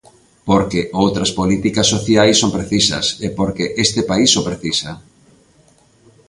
Porque outras políticas sociais son precisas e porque este país o precisa.